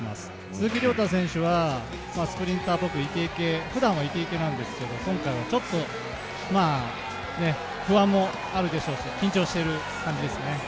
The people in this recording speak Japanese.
鈴木涼太選手はスプリンターっぽくふだんはイケイケなんですけど今回はちょっと、不安もあるでしょうし、緊張している感じですね。